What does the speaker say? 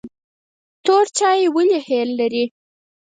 تور چای ولې هل لري؟